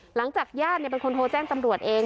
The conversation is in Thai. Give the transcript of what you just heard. หลังจากญาติเป็นคนโทรแจ้งตำรวจเอง